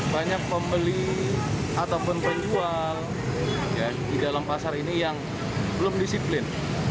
banyak pembeli ataupun penjual di dalam pasar ini yang belum disiplin